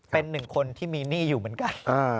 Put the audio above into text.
เป็นหนึ่งคนที่มีหนี้อยู่เหมือนกัน